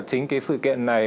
chính cái sự kiện này